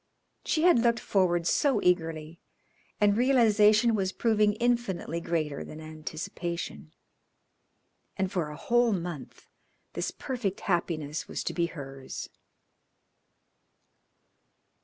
She had looked forward so eagerly, and realisation was proving infinitely greater than anticipation. And for a whole month this perfect happiness was to be hers.